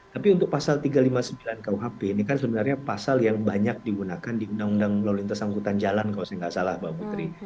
tapi untuk pasal tiga ratus lima puluh sembilan kuhp ini kan sebenarnya pasal yang banyak digunakan di undang undang lalu lintas angkutan jalan kalau saya nggak salah mbak putri